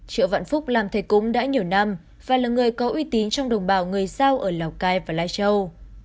triệu vạn phúc làm thầy cúng đã nhiều năm và là người có uy tín trong đồng bào người giao ở lào cai và lai châu